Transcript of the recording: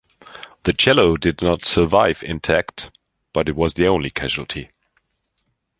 The cello did not survive intact, but it was the only casualty.